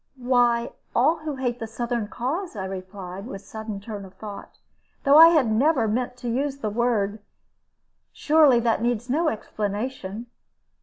"Why, all who hate the Southern cause," I replied, with a sudden turn of thought, though I never had meant to use the word. "Surely that needs no explanation."